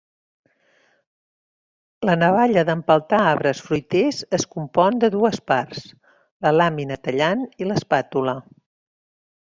La navalla d'empeltar arbres fruiters es compon de dues parts: la làmina tallant i l'espàtula.